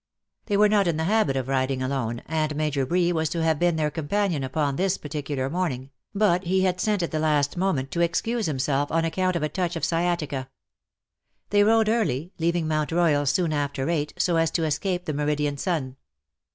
They were not in the habit of riding alone, and Major Bree was to have been their companion upon this particular morning, but he had sent at the last moment to excuse himself, on account of a touch of sciatica. They rode early, leaving Mount Royal soon after eight, so as to escape the meridian sun.